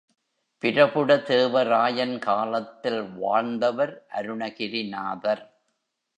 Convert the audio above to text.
பிரபுடதேவராயன் காலத்தில் வாழ்ந்தவர் அருணகிரிநாதர்.